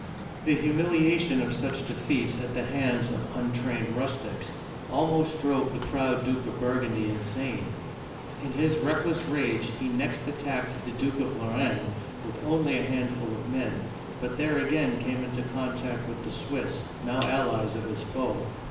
The humiliation of such defeats at the hands of untrained rustics almost drove the proud Duke of Burgundy insane. In his reckless rage he next attacked the Duke of Lorraine with only a handful of men, but there again came into contact with the Swiss, now allies of his foe.